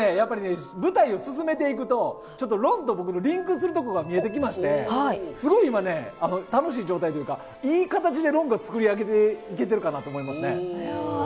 舞台を進めていくと、ロンとリンクするところが見えてきましてすごい今ね、楽しい状態というか、いい形でロンが作り上げられてると思いますね。